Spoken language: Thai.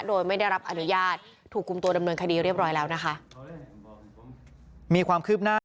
โดยไม่ได้รับอนุญาตถูกกลุ่มตัวดำเนินคดีเรียบร้อยแล้วนะฮะ